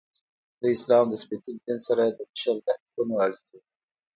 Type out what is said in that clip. د اسلام سپیڅلي دین سره د بشر د حقونو اړیکې.